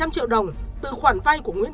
bảy trăm linh triệu đồng từ khoản vay của nguyễn